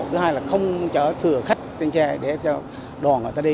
thứ hai là không chở thừa khách trên xe để cho đoàn người ta đi